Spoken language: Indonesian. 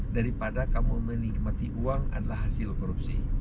daripada kamu menikmati uang adalah hasil korupsi